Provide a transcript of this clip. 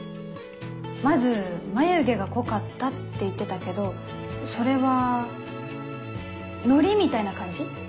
まず眉毛が濃かったって言ってたけどそれは海苔みたいな感じ？